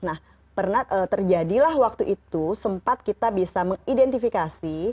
nah pernah terjadilah waktu itu sempat kita bisa mengidentifikasi